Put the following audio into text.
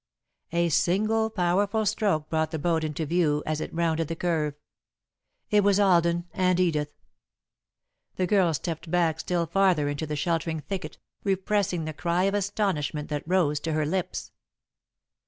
A single powerful stroke brought the boat into view, as it rounded the curve. It was Alden and Edith. The girl stepped back still farther into the sheltering thicket, repressing the cry of astonishment that rose to her lips.